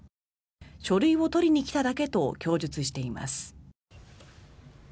書類を取りに来ただけと供述しています。